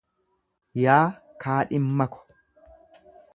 Yaa kaadhimma ko.